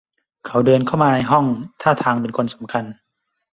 เขาเดินเข้ามาในห้องท่าทางเป็นคนสำคัญ